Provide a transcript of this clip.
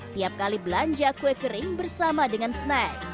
tiap kali belanja kue kering bersama dengan snack